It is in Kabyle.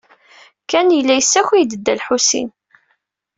Ken yella yessakay-d Dda Lḥusin.